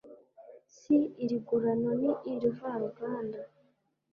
Si irigurano ni irivaruganda